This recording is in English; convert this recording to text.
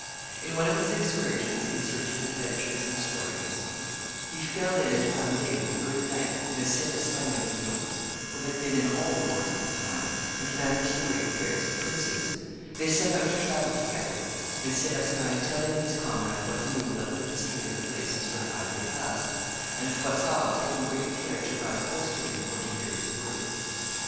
In one of his excursions in search of adventures and stories, "he fell in at Pamiers with a good knight, Messire Espaing of Lyons, who had been in all the wars of the time, and managed the great affairs of princes. They set out to travel together, Messire Espaing telling his comrade what he knew about the history of the places whereby they passed, and Froissart taking great care to ride close to him for to hear his words.